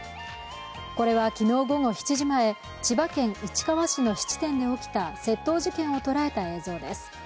これは昨日午後７時前、千葉県市川市の質店で起きた窃盗事件を捉えた映像です。